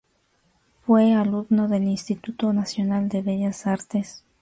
Fue alumno del Instituto Nacional de Bellas Artes.